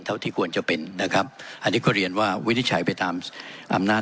เท่าที่ควรจะเป็นนะครับอันนี้ก็เรียนว่าวินิจฉัยไปตามอำนาจ